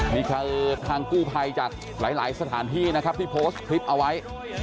นี่คือทางกู้ภัยจากหลายสถานที่นะครับที่โพสต์คลิปเอาไว้